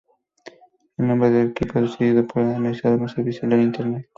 El nombre de equipo decidido por el administrador no es visible en Internet.